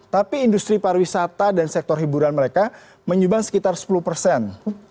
tapi industri pariwisata dan sektor hiburan mereka menyumbang sekitar sepuluh persen